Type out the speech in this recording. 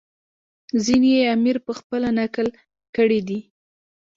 ځینې یې امیر پخپله نقل کړي دي.